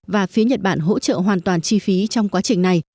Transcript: và phía nhật bản hỗ trợ hoàn toàn chi phí trong quá trình này